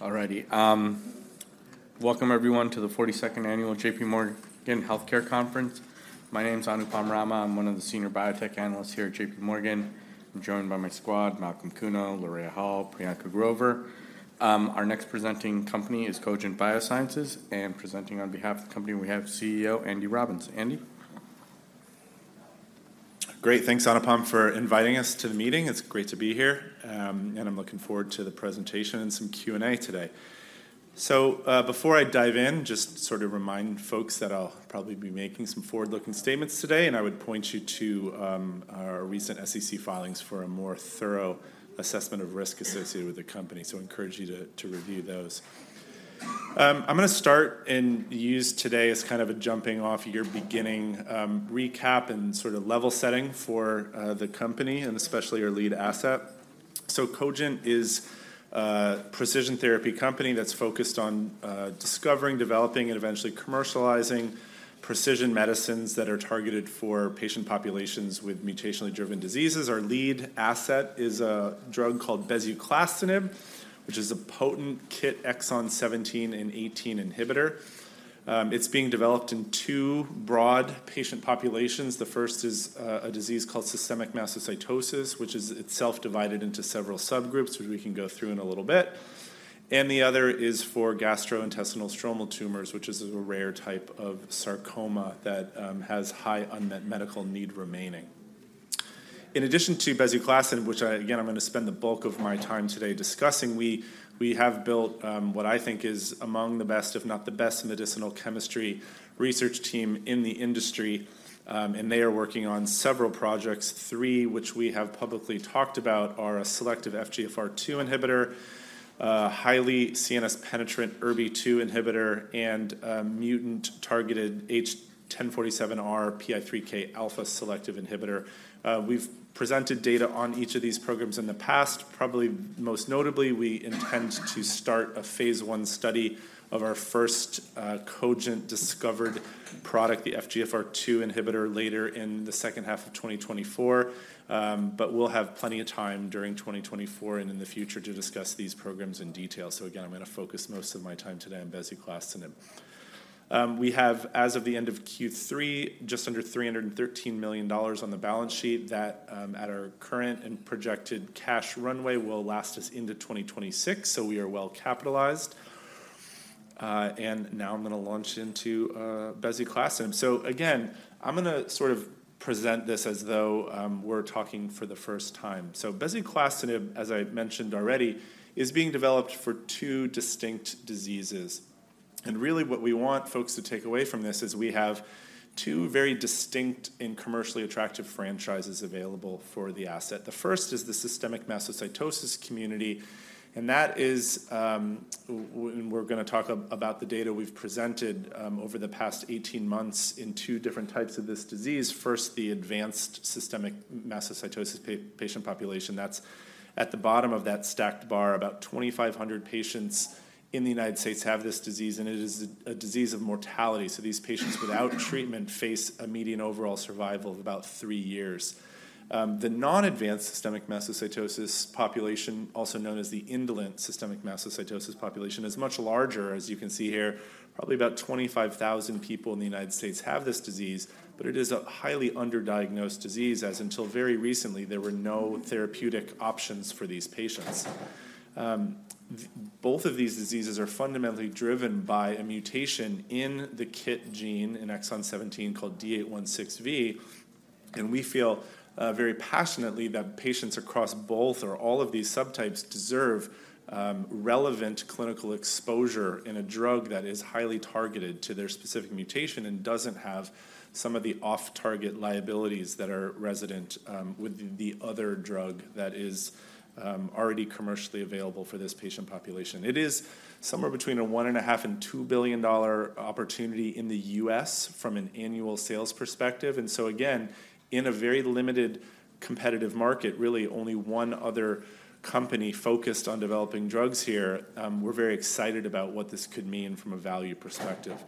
All righty. Welcome everyone to the 42nd annual J.P. Morgan Healthcare Conference. My name is Anupam Rama. I'm one of the senior biotech analysts here at J.P. Morgan. I'm joined by my squad, Malcolm Kuno, Laraya Hall, Priyanka Grover. Our next presenting company is Cogent Biosciences, and presenting on behalf of the company, we have CEO Andy Robbins. Andy? Great. Thanks, Anupam, for inviting us to the meeting. It's great to be here, and I'm looking forward to the presentation and some Q&A today. So, before I dive in, just to sort of remind folks that I'll probably be making some forward-looking statements today, and I would point you to our recent SEC filings for a more thorough assessment of risk associated with the company. So encourage you to review those. I'm gonna start and use today as kind of a jumping-off year beginning recap and sort of level setting for the company, and especially our lead asset. So Cogent is a precision therapy company that's focused on discovering, developing, and eventually commercializing precision medicines that are targeted for patient populations with mutationally driven diseases. Our lead asset is a drug called bezuclastinib, which is a potent KIT exon 17 and 18 inhibitor. It's being developed in two broad patient populations. The first is a disease called systemic mastocytosis, which is itself divided into several subgroups, which we can go through in a little bit. The other is for gastrointestinal stromal tumors, which is a rare type of sarcoma that has high unmet medical need remaining. In addition to bezuclastinib, which, again, I'm gonna spend the bulk of my time today discussing, we have built what I think is among the best, if not the best, medicinal chemistry research team in the industry, and they are working on several projects. Three, which we have publicly talked about, are a selective FGFR2 inhibitor, a highly CNS-penetrant ERBB2 inhibitor, and a mutant-targeted H1047R PI3K alpha selective inhibitor. We've presented data on each of these programs in the past. Probably, most notably, we intend to start a phase I study of our first, Cogent-discovered product, the FGFR2 inhibitor, later in the second half of 2024. But we'll have plenty of time during 2024 and in the future to discuss these programs in detail. So again, I'm gonna focus most of my time today on bezuclastinib. We have, as of the end of Q3, just under $313 million on the balance sheet that, at our current and projected cash runway, will last us into 2026, so we are well-capitalized. And now I'm gonna launch into bezuclastinib. So again, I'm gonna sort of present this as though we're talking for the first time. So bezuclastinib, as I mentioned already, is being developed for two distinct diseases. And really, what we want folks to take away from this is we have two very distinct and commercially attractive franchises available for the asset. The first is the systemic mastocytosis community, and that is, and we're gonna talk about the data we've presented over the past 18 months in two different types of this disease. First, the advanced systemic mastocytosis patient population. That's at the bottom of that stacked bar. About 2,500 patients in the United States have this disease, and it is a disease of mortality, so these patients, without treatment, face a median overall survival of about three years. The non-advanced systemic mastocytosis population, also known as the indolent systemic mastocytosis population, is much larger, as you can see here. Probably about 25,000 people in the United States have this disease, but it is a highly underdiagnosed disease, as until very recently, there were no therapeutic options for these patients. Both of these diseases are fundamentally driven by a mutation in the KIT gene in exon 17 called D816V, and we feel very passionately that patients across both or all of these subtypes deserve relevant clinical exposure in a drug that is highly targeted to their specific mutation and doesn't have some of the off-target liabilities that are resident with the other drug that is already commercially available for this patient population. It is somewhere between a $1.5 billion and $2 billion opportunity in the US from an annual sales perspective. And so again, in a very limited competitive market, really only one other company focused on developing drugs here, we're very excited about what this could mean from a value perspective.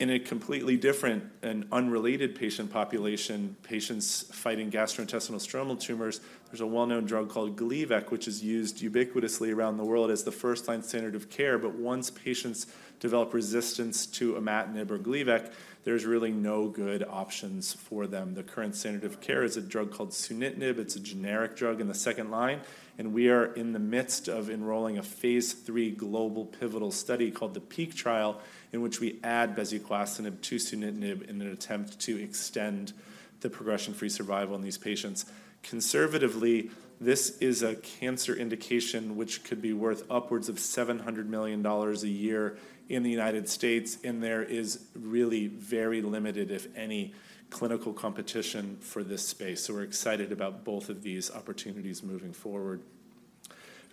In a completely different and unrelated patient population, patients fighting gastrointestinal stromal tumors, there's a well-known drug called Gleevec, which is used ubiquitously around the world as the first-line standard of care. But once patients develop resistance to imatinib or Gleevec, there's really no good options for them. The current standard of care is a drug called sunitinib. It's a generic drug in the second line, and we are in the midst of enrolling a phase III global pivotal study called the PEAK Trial, in which we add bezuclastinib to sunitinib in an attempt to extend the progression-free survival in these patients. Conservatively, this is a cancer indication which could be worth upwards of $700 million a year in the United States, and there is really very limited, if any, clinical competition for this space, so we're excited about both of these opportunities moving forward.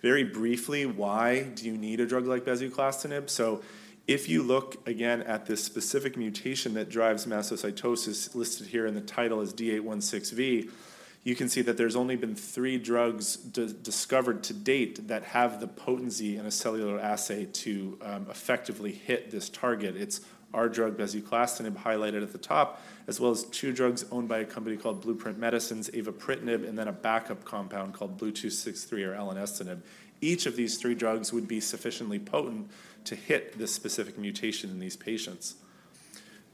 Very briefly, why do you need a drug like bezuclastinib? So if you look again at this specific mutation that drives mastocytosis, listed here in the title as D816V, you can see that there's only been three drugs discovered to date that have the potency in a cellular assay to effectively hit this target. It's our drug, bezuclastinib, highlighted at the top, as well as two drugs owned by a company called Blueprint Medicines, avapritinib, and then a backup compound called BLU-263 or elenestinib. Each of these three drugs would be sufficiently potent to hit this specific mutation in these patients....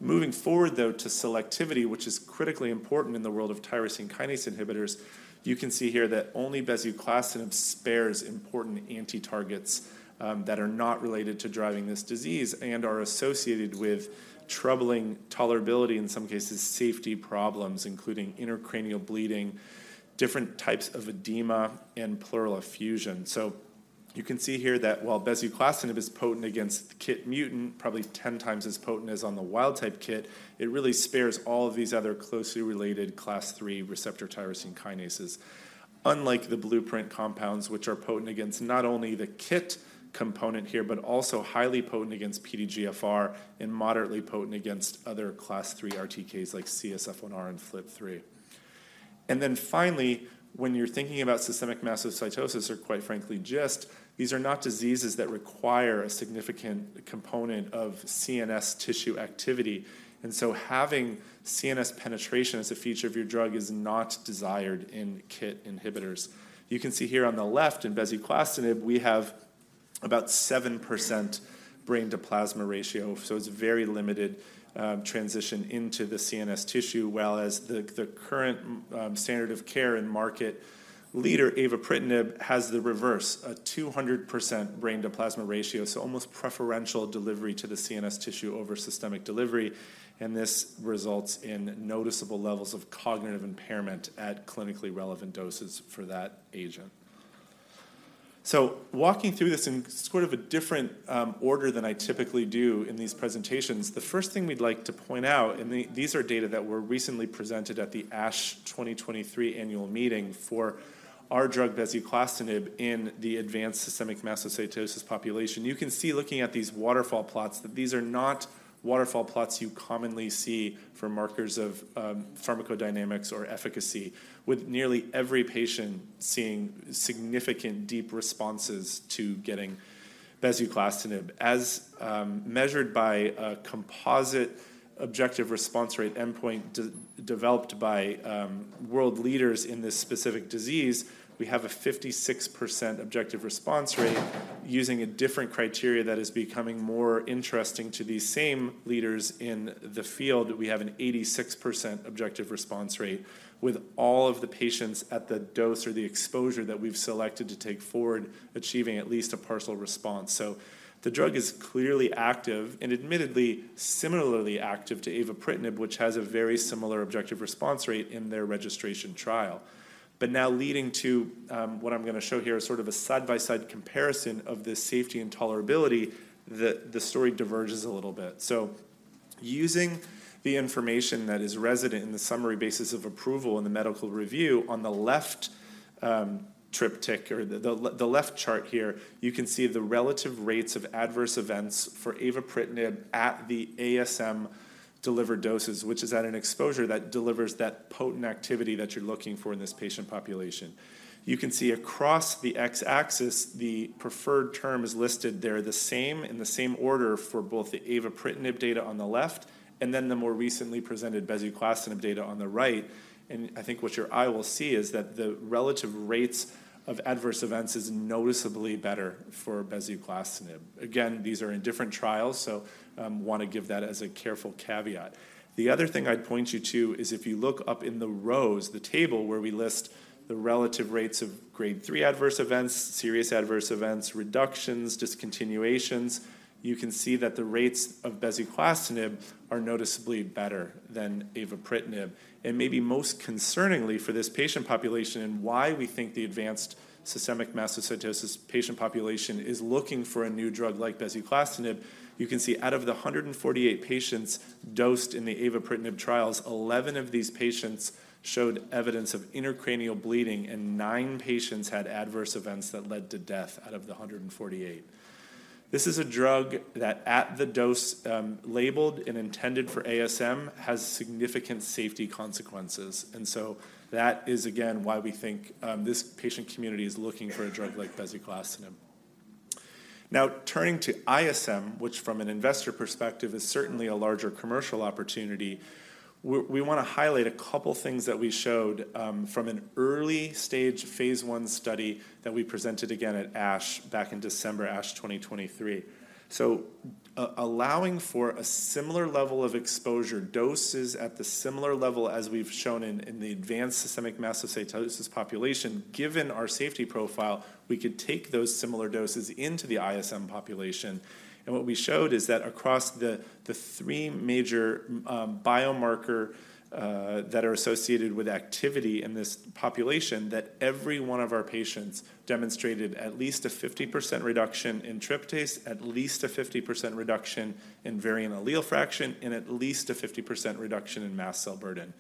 Moving forward, though, to selectivity, which is critically important in the world of tyrosine kinase inhibitors, you can see here that only bezuclastinib spares important anti-targets, that are not related to driving this disease and are associated with troubling tolerability, in some cases, safety problems, including intracranial bleeding, different types of edema, and pleural effusion. So you can see here that while bezuclastinib is potent against KIT mutant, probably 10 times as potent as on the wild-type KIT, it really spares all of these other closely related class III receptor tyrosine kinases. Unlike the Blueprint compounds, which are potent against not only the KIT component here, but also highly potent against PDGFR and moderately potent against other class III RTKs like CSF1R and FLT3. Then finally, when you're thinking about systemic mastocytosis, or quite frankly, GIST, these are not diseases that require a significant component of CNS tissue activity. So having CNS penetration as a feature of your drug is not desired in KIT inhibitors. You can see here on the left, in bezuclastinib, we have about 7% brain-to-plasma ratio, so it's very limited transition into the CNS tissue, while the current standard of care and market leader, avapritinib, has the reverse, a 200% brain-to-plasma ratio, so almost preferential delivery to the CNS tissue over systemic delivery, and this results in noticeable levels of cognitive impairment at clinically relevant doses for that agent. So walking through this in sort of a different order than I typically do in these presentations, the first thing we'd like to point out, and these are data that were recently presented at the ASH 2023 annual meeting for our drug, bezuclastinib, in the advanced systemic mastocytosis population. You can see, looking at these waterfall plots, that these are not waterfall plots you commonly see for markers of pharmacodynamics or efficacy, with nearly every patient seeing significant deep responses to getting bezuclastinib. As measured by a composite objective response rate endpoint developed by world leaders in this specific disease, we have a 56% objective response rate. Using a different criteria that is becoming more interesting to these same leaders in the field, we have an 86% objective response rate, with all of the patients at the dose or the exposure that we've selected to take forward achieving at least a partial response. So the drug is clearly active and admittedly similarly active to avapritinib, which has a very similar objective response rate in their registration trial. But now leading to what I'm gonna show here, sort of a side-by-side comparison of the safety and tolerability, the story diverges a little bit. So using the information that is resident in the summary basis of approval in the medical review, on the left, the left chart here, you can see the relative rates of adverse events for avapritinib at the ASM-delivered doses, which is at an exposure that delivers that potent activity that you're looking for in this patient population. You can see across the x-axis, the preferred term is listed there, the same, in the same order for both the avapritinib data on the left and then the more recently presented bezuclastinib data on the right. And I think what your eye will see is that the relative rates of adverse events is noticeably better for bezuclastinib. Again, these are in different trials, so, want to give that as a careful caveat. The other thing I'd point you to is if you look up in the rows, the table where we list the relative rates of Grade 3 adverse events, serious adverse events, reductions, discontinuations, you can see that the rates of bezuclastinib are noticeably better than avapritinib. Maybe most concerningly for this patient population, and why we think the advanced systemic mastocytosis patient population is looking for a new drug like bezuclastinib, you can see out of the 148 patients dosed in the avapritinib trials, 11 of these patients showed evidence of intracranial bleeding, and nine patients had adverse events that led to death out of the 148. This is a drug that, at the dose, labeled and intended for ASM, has significant safety consequences. So that is, again, why we think, this patient community is looking for a drug like bezuclastinib. Now, turning to ISM, which from an investor perspective is certainly a larger commercial opportunity, we wanna highlight a couple things that we showed from an early-stage phase I study that we presented again at ASH back in December, ASH 2023. So, allowing for a similar level of exposure, doses at the similar level as we've shown in the advanced systemic mastocytosis population, given our safety profile, we could take those similar doses into the ISM population. And what we showed is that across the three major biomarker that are associated with activity in this population, that every one of our patients demonstrated at least a 50% reduction in tryptase, at least a 50% reduction in variant allele fraction, and at least a 50% reduction in mast cell burden.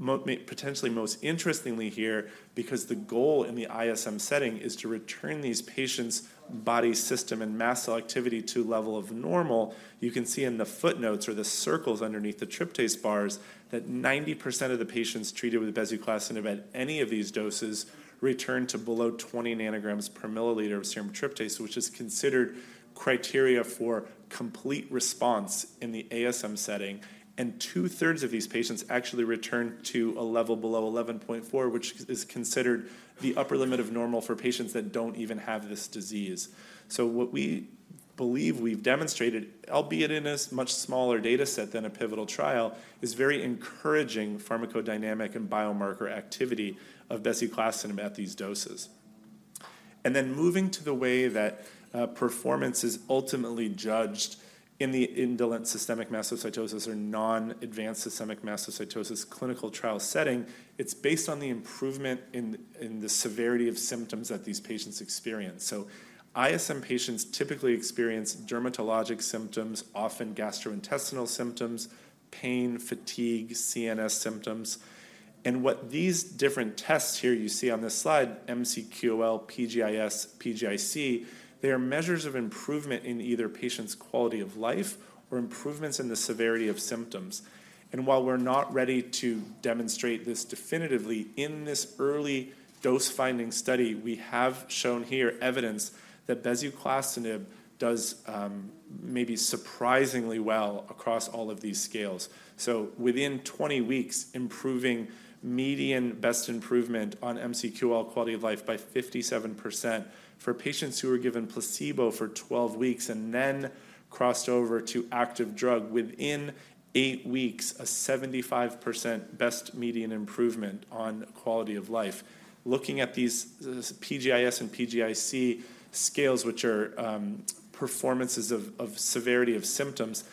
May potentially most interestingly here, because the goal in the ISM setting is to return these patients' body system and mast cell activity to level of normal, you can see in the footnotes or the circles underneath the tryptase bars that 90% of the patients treated with bezuclastinib at any of these doses returned to below 20 nanograms per milliliter of serum tryptase, which is considered criteria for complete response in the ASM setting. Two-thirds of these patients actually returned to a level below 11.4, which is considered the upper limit of normal for patients that don't even have this disease. So what we believe we've demonstrated, albeit in a much smaller data set than a pivotal trial, is very encouraging pharmacodynamic and biomarker activity of bezuclastinib at these doses. And then moving to the way that performance is ultimately judged in the indolent systemic mastocytosis or non-advanced systemic mastocytosis clinical trial setting, it's based on the improvement in the severity of symptoms that these patients experience. So ISM patients typically experience dermatologic symptoms, often gastrointestinal symptoms, pain, fatigue, CNS symptoms. And what these different tests here you see on this slide, MCQOL, PGIS, PGIC, they are measures of improvement in either patient's quality of life or improvements in the severity of symptoms. And while we're not ready to demonstrate this definitively, in this early dose-finding study, we have shown here evidence that bezuclastinib does maybe surprisingly well across all of these scales. So within 20 weeks, improving median best improvement on MCQOL quality of life by 57%. For patients who were given placebo for 12 weeks and then crossed over to active drug, within 8 weeks, a 75% best median improvement on quality of life. Looking at these PGIS and PGIC scales, which are performances of severity of symptoms,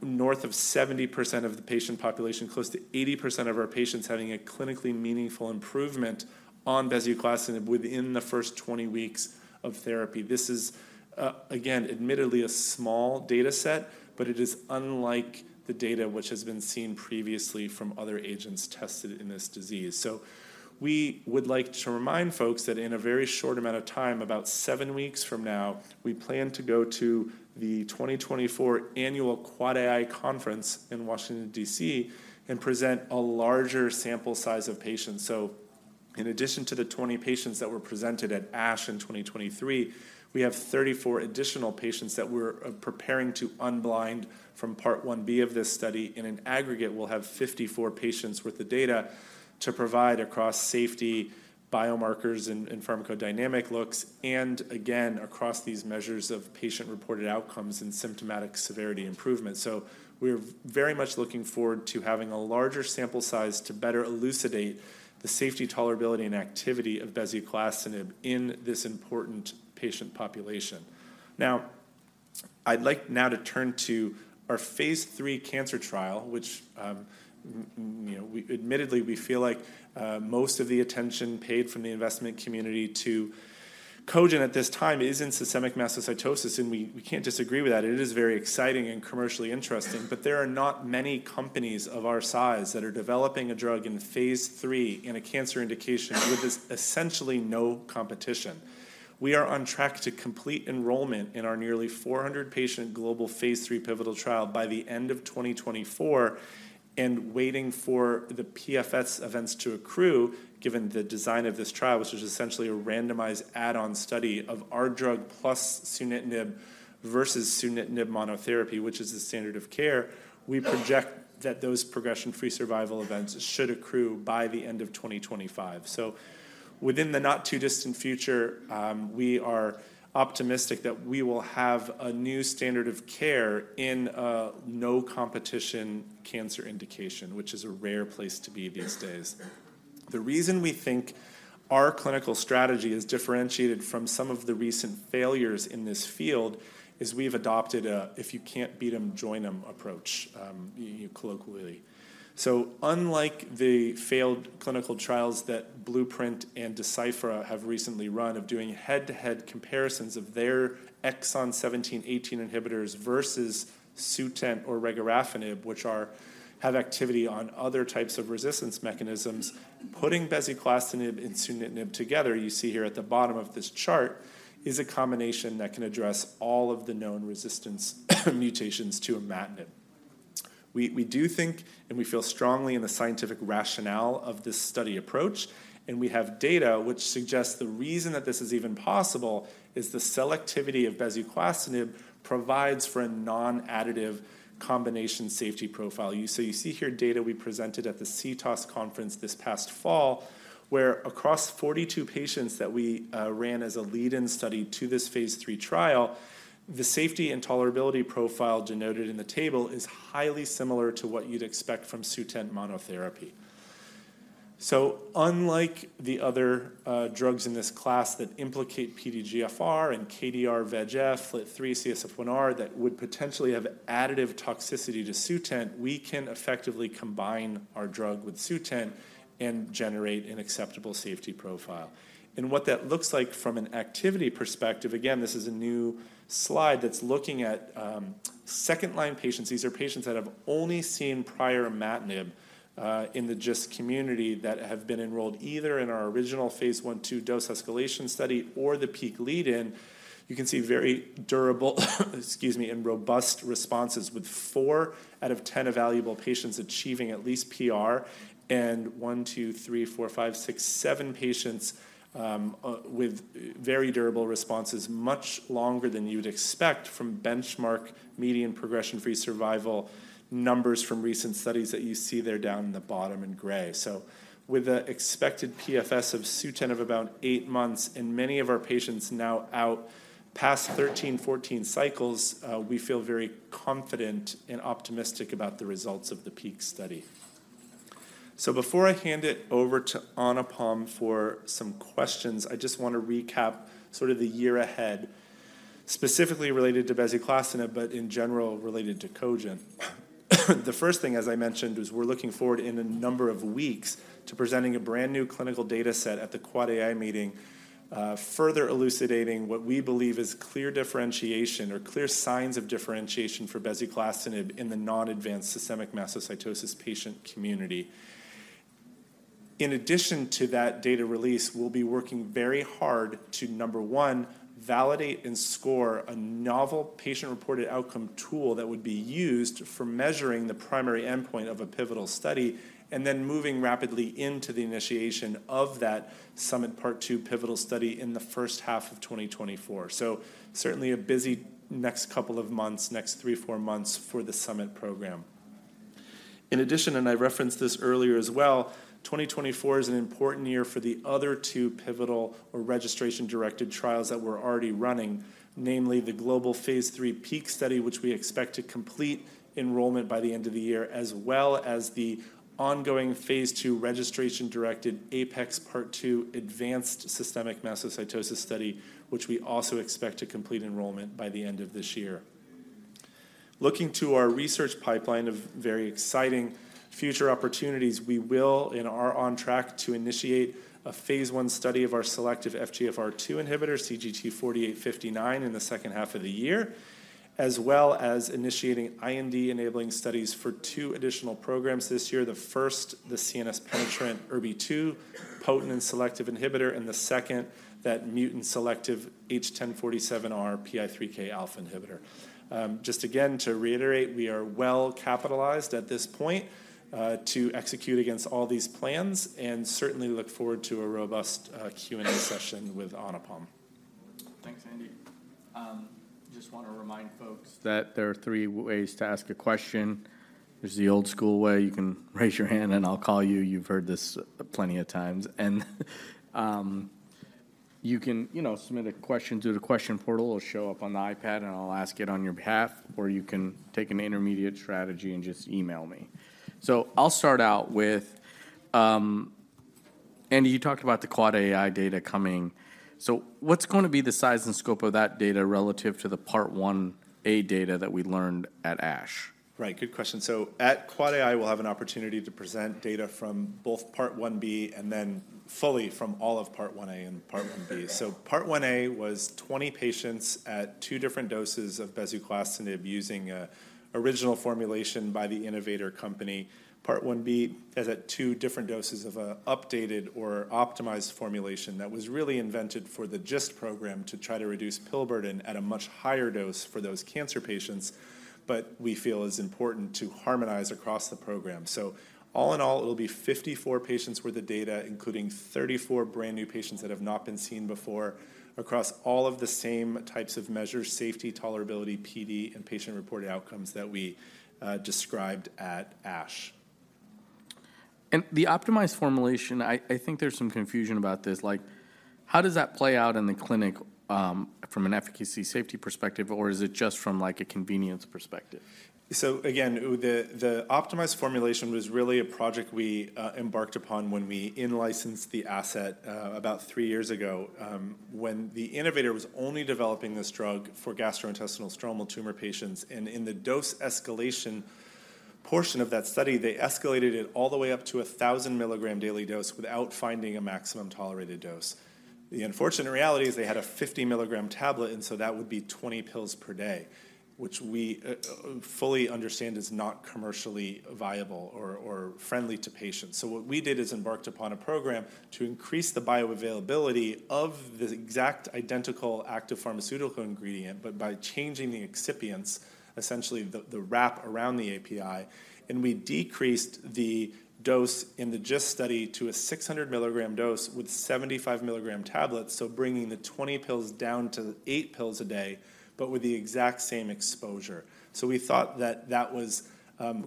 north of 70% of the patient population, close to 80% of our patients having a clinically meaningful improvement on bezuclastinib within the first 20 weeks of therapy. This is, again, admittedly a small data set, but it is unlike the data which has been seen previously from other agents tested in this disease. So we would like to remind folks that in a very short amount of time, about 7 weeks from now, we plan to go to the 2024 Annual Quad AI Conference in Washington, D.C., and present a larger sample size of patients. So in addition to the 20 patients that were presented at ASH in 2023, we have 34 additional patients that we're preparing to unblind from Part 1B of this study. In an aggregate, we'll have 54 patients worth of data to provide across safety, biomarkers, and pharmacodynamic looks, and again, across these measures of patient-reported outcomes and symptomatic severity improvement. So we're very much looking forward to having a larger sample size to better elucidate the safety, tolerability, and activity of bezuclastinib in this important patient population. Now, I'd like to turn to our Phase III cancer trial, which, you know, we admittedly, we feel like most of the attention paid from the investment community to Cogent at this time is in systemic mastocytosis, and we can't disagree with that. It is very exciting and commercially interesting, but there are not many companies of our size that are developing a drug in phase III in a cancer indication with essentially no competition. We are on track to complete enrollment in our nearly 400-patient global phase III pivotal trial by the end of 2024, and waiting for the PFS events to accrue, given the design of this trial, which is essentially a randomized add-on study of our drug plus sunitinib versus sunitinib monotherapy, which is the standard of care. We project that those progression-free survival events should accrue by the end of 2025. So within the not-too-distant future, we are optimistic that we will have a new standard of care in a no-competition cancer indication, which is a rare place to be these days. The reason we think our clinical strategy is differentiated from some of the recent failures in this field is we've adopted a, "If you can't beat them, join them" approach, colloquially. So unlike the failed clinical trials that Blueprint and Deciphera have recently run of doing head-to-head comparisons of their exon 17, 18 inhibitors versus Sutent or regorafenib, which are- have activity on other types of resistance mechanisms, putting bezuclastinib and sunitinib together, you see here at the bottom of this chart, is a combination that can address all of the known resistance mutations to imatinib. We, we do think, and we feel strongly in the scientific rationale of this study approach, and we have data which suggests the reason that this is even possible is the selectivity of bezuclastinib provides for a non-additive combination safety profile. So you see here data we presented at the CTOS conference this past fall, where across 42 patients that we ran as a lead-in study to this phase III trial, the safety and tolerability profile denoted in the table is highly similar to what you'd expect from Sutent monotherapy. So unlike the other drugs in this class that implicate PDGFR and KDR VEGF, FLT3, CSF1R, that would potentially have additive toxicity to Sutent, we can effectively combine our drug with Sutent and generate an acceptable safety profile. And what that looks like from an activity perspective, again, this is a new slide that's looking at second-line patients. These are patients that have only seen prior imatinib in the GIST community that have been enrolled either in our original phase I/II dose-escalation study or the PEAK lead-in. You can see very durable, excuse me, and robust responses with 4 out of 10 evaluable patients achieving at least PR, and 1, 2, 3, 4, 5, 6, 7 patients with very durable responses, much longer than you'd expect from benchmark median progression-free survival numbers from recent studies that you see there down in the bottom in gray. So with the expected PFS of Sutent of about 8 months, and many of our patients now out past 13, 14 cycles, we feel very confident and optimistic about the results of the PEAK study. So before I hand it over to Anupam for some questions, I just want to recap sort of the year ahead, specifically related to bezuclastinib, but in general, related to Cogent. The first thing, as I mentioned, is we're looking forward in a number of weeks to presenting a brand-new clinical data set at the Quad AI meeting, further elucidating what we believe is clear differentiation or clear signs of differentiation for bezuclastinib in the non-advanced systemic mastocytosis patient community. In addition to that data release, we'll be working very hard to, number one, validate and score a novel patient-reported outcome tool that would be used for measuring the primary endpoint of a pivotal study, and then moving rapidly into the initiation of that SUMMIT-Part II pivotal study in the first half of 2024. So certainly a busy next couple of months, next 3, 4 months for the SUMMIT program. In addition, and I referenced this earlier as well, 2024 is an important year for the other two pivotal or registration-directed trials that we're already running, namely the global phase III PEAK study, which we expect to complete enrollment by the end of the year, as well as the ongoing phase II registration-directed APEX Part II Advanced Systemic Mastocytosis study, which we also expect to complete enrollment by the end of this year. Looking to our research pipeline of very exciting future opportunities, we will and are on track to initiate a phase I study of our selective FGFR2 inhibitor, CGT4859, in the second half of the year, as well as initiating IND-enabling studies for 2 additional programs this year. The first, the CNS-penetrant ERBB2 potent and selective inhibitor, and the second, that mutant-selective H1047R PI3K alpha inhibitor. Just again, to reiterate, we are well-capitalized at this point to execute against all these plans and certainly look forward to a robust Q&A session with Anupam. Thanks, Andy. Just want to remind folks that there are three ways to ask a question. There's the old school way, you can raise your hand and I'll call you. You've heard this plenty of times. And you can, you know, submit a question through the question portal, it'll show up on the iPad, and I'll ask it on your behalf, or you can take an intermediate strategy and just email me. So I'll start out with, Andy, you talked about the Quad AI data coming. So what's going to be the size and scope of that data relative to the Part Ia data that we learned at ASH? Right. Good question. So at Quad AI, we'll have an opportunity to present data from both Part Ib and then fully from all of Part Ia and Part Ib. So Part Ia was 20 patients at two different doses of bezuclastinib using an original formulation by the innovator company. Part Ib is at two different doses of an updated or optimized formulation that was really invented for the GIST program to try to reduce pill burden at a much higher dose for those cancer patients, but we feel is important to harmonize across the program. So all in all, it'll be 54 patients worth of data, including 34 brand-new patients that have not been seen before, across all of the same types of measures: safety, tolerability, PD, and patient-reported outcomes that we described at ASH. The optimized formulation, I think there's some confusion about this. Like, how does that play out in the clinic, from an efficacy/safety perspective, or is it just from, like, a convenience perspective? So again, the optimized formulation was really a project we embarked upon when we in-licensed the asset, about 3 years ago, when the innovator was only developing this drug for gastrointestinal stromal tumor patients. And in the dose escalation portion of that study, they escalated it all the way up to a 1,000-milligram daily dose without finding a maximum tolerated dose. The unfortunate reality is they had a 50-milligram tablet, and so that would be 20 pills per day, which we fully understand is not commercially viable or friendly to patients. So what we did is embarked upon a program to increase the bioavailability of the exact identical active pharmaceutical ingredient, but by changing the excipients, essentially the wrap around the API, and we decreased the dose in the GIST study to a 600-milligram dose with 75 milligram tablets. So bringing the 20 pills down to eight pills a day, but with the exact same exposure. So we thought that that was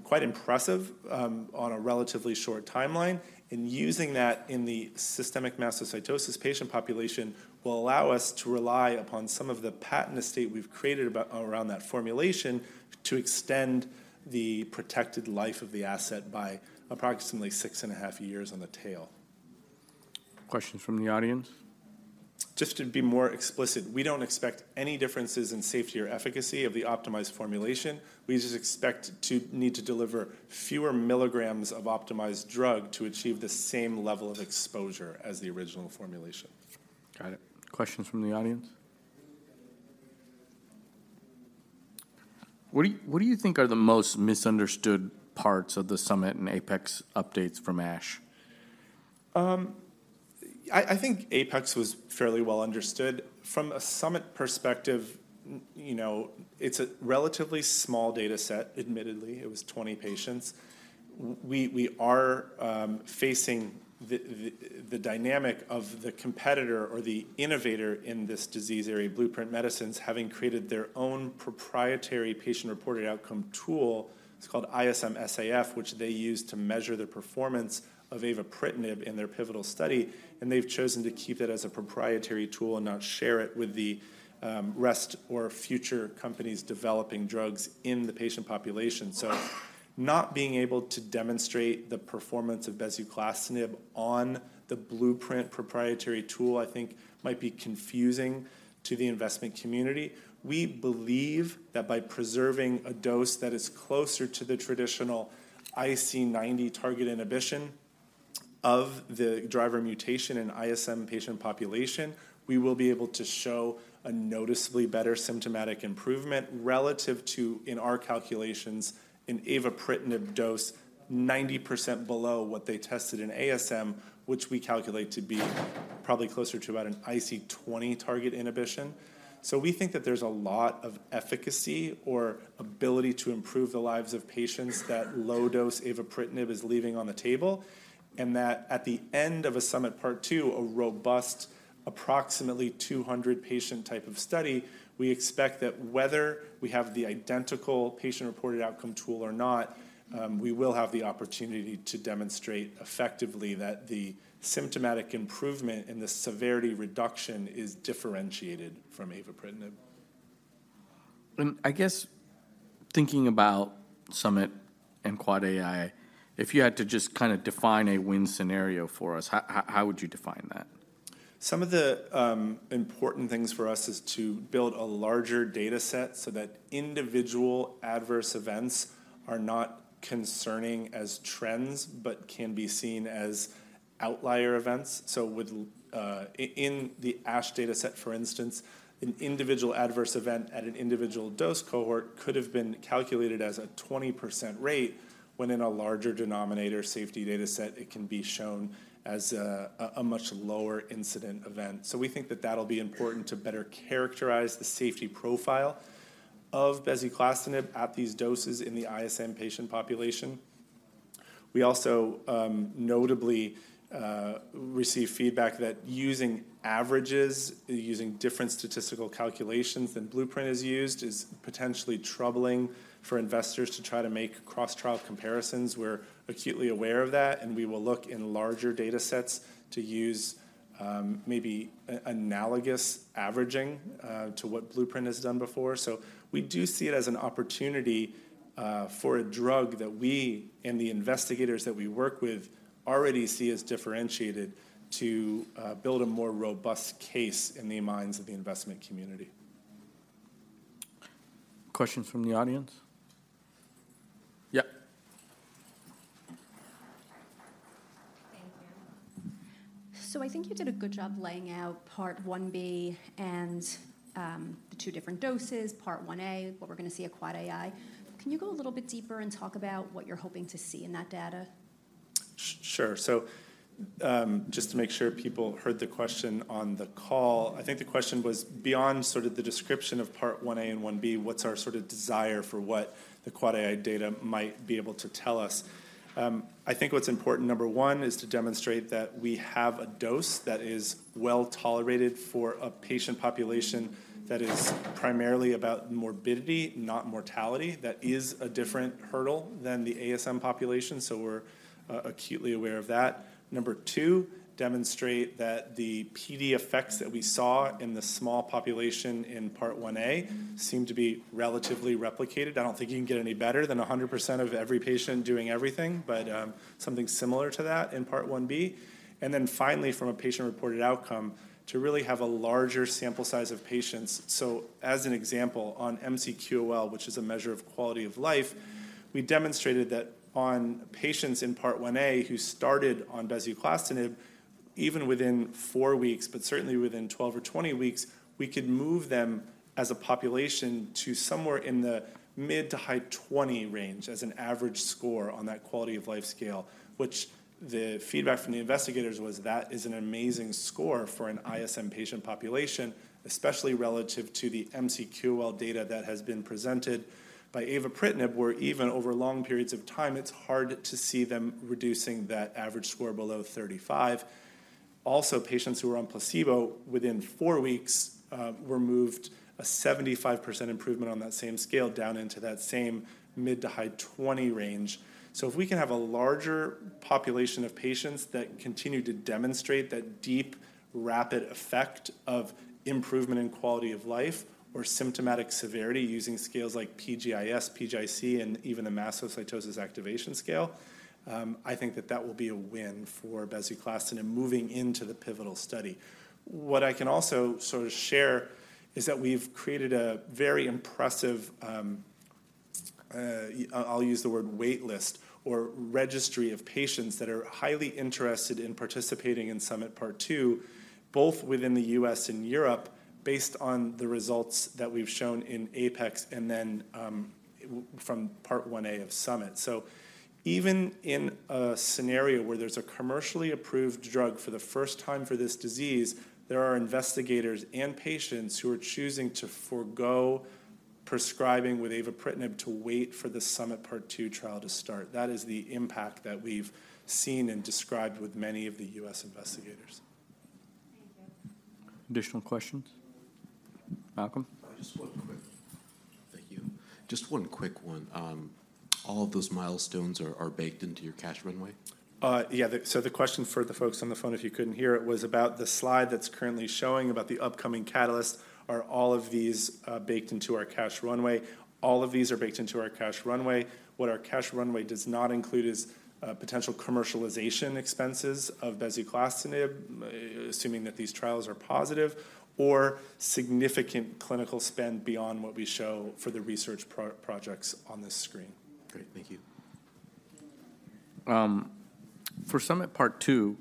quite impressive on a relatively short timeline, and using that in the systemic mastocytosis patient population will allow us to rely upon some of the patent estate we've created about around that formulation to extend the protected life of the asset by approximately six and a half years on the tail. Questions from the audience? Just to be more explicit, we don't expect any differences in safety or efficacy of the optimized formulation. We just expect to need to deliver fewer milligrams of optimized drug to achieve the same level of exposure as the original formulation. Got it. Questions from the audience? What do you think are the most misunderstood parts of the SUMMIT and APEX updates from ASH? I think APEX was fairly well understood. From a SUMMIT perspective, you know, it's a relatively small data set, admittedly. It was 20 patients. We are facing the dynamic of the competitor or the innovator in this disease area, Blueprint Medicines, having created their own proprietary patient-reported outcome tool. It's called I-SM-SAF, which they use to measure the performance of avapritinib in their pivotal study, and they've chosen to keep it as a proprietary tool and not share it with the rest or future companies developing drugs in the patient population. Not being able to demonstrate the performance of bezuclastinib on the Blueprint proprietary tool, I think, might be confusing to the investment community. We believe that by preserving a dose that is closer to the traditional IC90 target inhibition of the driver mutation in ISM patient population, we will be able to show a noticeably better symptomatic improvement relative to, in our calculations, an avapritinib dose 90% below what they tested in ASM, which we calculate to be probably closer to about an IC20 target inhibition. So we think that there's a lot of efficacy or ability to improve the lives of patients that low dose avapritinib is leaving on the table, and that at the end of a SUMMIT Part Two, a robust, approximately 200-patient type of study, we expect that whether we have the identical patient-reported outcome tool or not, we will have the opportunity to demonstrate effectively that the symptomatic improvement and the severity reduction is differentiated from avapritinib. I guess thinking about SUMMIT and Quad AI, if you had to just kinda define a win scenario for us, how would you define that? Some of the important things for us is to build a larger data set so that individual adverse events are not concerning as trends, but can be seen as outlier events. So within the ASH dataset, for instance, an individual adverse event at an individual dose cohort could have been calculated as a 20% rate, when in a larger denominator safety dataset, it can be shown as a much lower incidence event. So we think that that'll be important to better characterize the safety profile of bezuclastinib at these doses in the ISM patient population. We also notably receive feedback that using averages, using different statistical calculations than Blueprint has used, is potentially troubling for investors to try to make cross-trial comparisons. We're acutely aware of that, and we will look in larger datasets to use, maybe analogous averaging, to what Blueprint has done before. So we do see it as an opportunity, for a drug that we and the investigators that we work with already see as differentiated to build a more robust case in the minds of the investment community. Questions from the audience? Yeah. Thank you. So I think you did a good job laying out Part One B and the two different doses, Part One A, what we're going to see at QUAD AI. Can you go a little bit deeper and talk about what you're hoping to see in that data? Sure. So, just to make sure people heard the question on the call, I think the question was: beyond sort of the description of Part One A and One B, what's our sort of desire for what the QUAD AI data might be able to tell us? I think what's important, number one, is to demonstrate that we have a dose that is well-tolerated for a patient population that is primarily about morbidity, not mortality. That is a different hurdle than the ASM population, so we're acutely aware of that. Number two, demonstrate that the PD effects that we saw in the small population in Part One A seem to be relatively replicated. I don't think you can get any better than 100% of every patient doing everything, but something similar to that in Part One B. And then finally, from a patient-reported outcome, to really have a larger sample size of patients. So as an example, on MCQOL, which is a measure of quality of life, we demonstrated that on patients in Part 1 A who started on bezuclastinib, even within 4 weeks, but certainly within 12 or 20 weeks, we could move them as a population to somewhere in the mid- to high-20 range as an average score on that quality of life scale, which the feedback from the investigators was, "That is an amazing score for an ISM patient population," especially relative to the MCQOL data that has been presented by avapritinib, where even over long periods of time, it's hard to see them reducing that average score below 35. Also, patients who were on placebo, within 4 weeks, were moved a 75% improvement on that same scale, down into that same mid- to high-20 range. So if we can have a larger population of patients that continue to demonstrate that deep, rapid effect of improvement in quality of life or symptomatic severity using scales like PGIS, PGIC, and even the mastocytosis activation scale, I think that that will be a win for bezuclastinib moving into the pivotal study. What I can also sort of share is that we've created a very impressive, I'll use the word wait list or registry of patients that are highly interested in participating in SUMMIT Part 2, both within the U.S. and Europe, based on the results that we've shown in APEX, and then, from Part 1A of SUMMIT. So even in a scenario where there's a commercially approved drug for the first time for this disease, there are investigators and patients who are choosing to forgo prescribing with avapritinib to wait for the SUMMIT Part Two trial to start. That is the impact that we've seen and described with many of the U.S. investigators. Additional questions? Malcolm. Just one quick. Thank you. Just one quick one. All of those milestones are baked into your cash runway? Yeah, so the question for the folks on the phone, if you couldn't hear it, was about the slide that's currently showing about the upcoming catalyst. Are all of these baked into our cash runway? All of these are baked into our cash runway. What our cash runway does not include is potential commercialization expenses of bezuclastinib, assuming that these trials are positive, or significant clinical spend beyond what we show for the research projects on this screen. Great, thank you. For SUMMIT Part Two,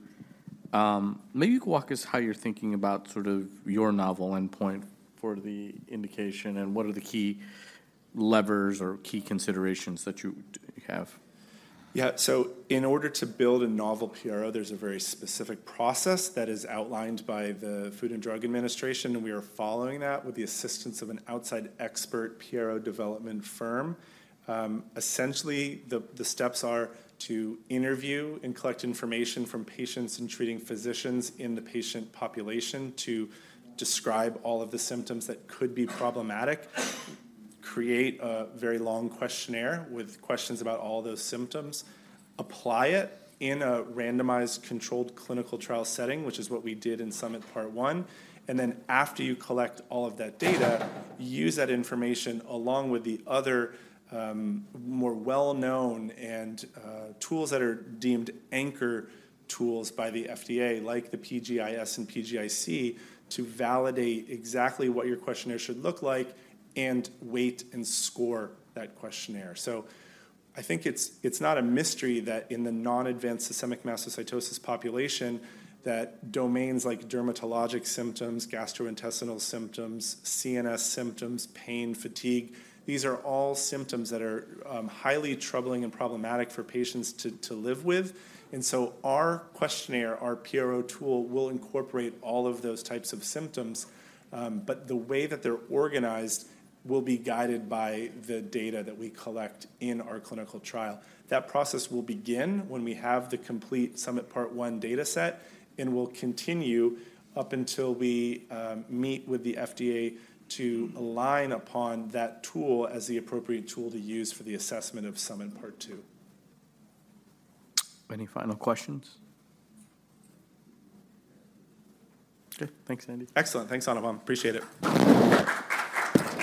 maybe you could walk us how you're thinking about sort of your novel endpoint for the indication, and what are the key levers or key considerations that you do have? Yeah, so in order to build a novel PRO, there's a very specific process that is outlined by the Food and Drug Administration, and we are following that with the assistance of an outside expert PRO development firm. Essentially, the steps are to interview and collect information from patients and treating physicians in the patient population to describe all of the symptoms that could be problematic, create a very long questionnaire with questions about all those symptoms, apply it in a randomized controlled clinical trial setting, which is what we did in SUMMIT Part One, and then after you collect all of that data, use that information along with the other, more well-known and tools that are deemed anchor tools by the FDA, like the PGIS and PGIC, to validate exactly what your questionnaire should look like and weight and score that questionnaire. So I think it's not a mystery that in the non-advanced systemic mastocytosis population, that domains like dermatologic symptoms, gastrointestinal symptoms, CNS symptoms, pain, fatigue, these are all symptoms that are highly troubling and problematic for patients to live with. And so our questionnaire, our PRO tool, will incorporate all of those types of symptoms, but the way that they're organized will be guided by the data that we collect in our clinical trial. That process will begin when we have the complete SUMMIT Part One dataset and will continue up until we meet with the FDA to align upon that tool as the appropriate tool to use for the assessment of SUMMIT Part Two. Any final questions? Okay, thanks, Andy. Excellent. Thanks, Anupam. Appreciate it.